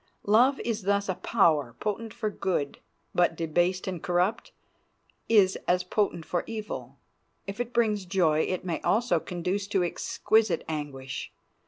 Love is thus a power, potent for good, but, debased and corrupted, is as potent for evil. If it brings joys it may also conduce to exquisite anguish.